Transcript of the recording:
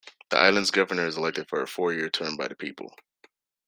The island's governor is elected for a four-year term by the people.